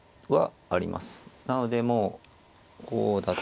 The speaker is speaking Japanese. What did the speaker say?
なのでもうこう。